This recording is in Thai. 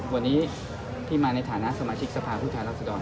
วันนี้พี่มาในฐานะสมาชิกสภาผู้ทัศน์ลักษณ์ดอน